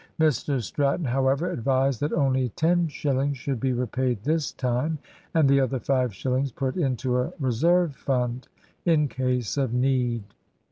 Mr Stratton, however, advised that only ten shillings should be repaid this time, and the other five shillings put into a reserve fund, in case of need.